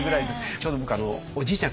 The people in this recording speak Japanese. ちょうど僕おじいちゃん